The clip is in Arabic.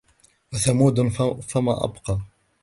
وثمود فما أبقى